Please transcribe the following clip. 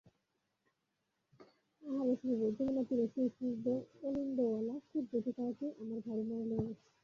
আহাহা রসিকবাবু, যমুনাতীরে সেই স্নিগ্ধ অলিন্দওয়ালা কুঞ্জকুটিরটি আমার ভারি মনে লেগে গেছে।